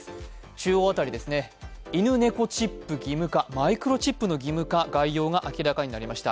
中央辺りですね、犬猫チップ義務化マイクロチップの義務化、概要が明らかになりました。